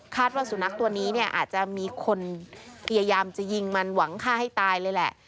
ว่าสุนัขตัวนี้เนี่ยอาจจะมีคนพยายามจะยิงมันหวังฆ่าให้ตายเลยแหละ